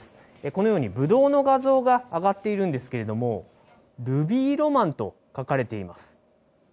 このようにぶどうの画像が上がっているんですけれども、ルビーロマンと書かれています。